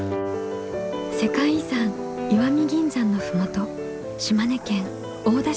世界遺産石見銀山の麓島根県大田市大森町。